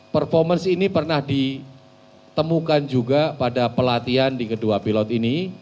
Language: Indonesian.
performance ini pernah ditemukan juga pada pelatihan di kedua pilot ini